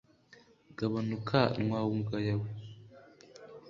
gabanukanwamuyagawe.